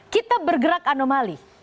kita bergerak anomali